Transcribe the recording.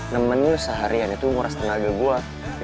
nemenin lo seharian itu nguras tenaga gue